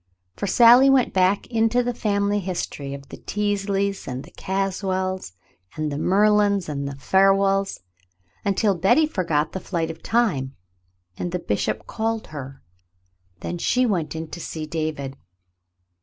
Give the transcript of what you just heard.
For Sally went back into the family history of the Teasleys, and the Caswells, and the Merlins, and the Farwells, until Betty forgot the flight of time and the bishop called her. Then she went in to see David.